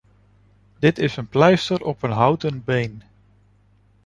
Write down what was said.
Dit is een pleister op een houten been.